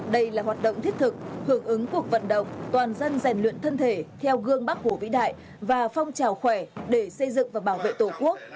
đây là hoạt động thiết thực hưởng ứng cuộc vận động toàn dân rèn luyện thân thể theo gương bắc hồ vĩ đại và phong trào khỏe để xây dựng và bảo vệ tổ quốc